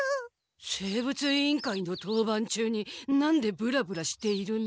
生物委員会の当番中に何でブラブラしているの？